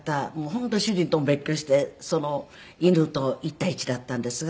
本当主人とも別居して犬と一対一だったんですが。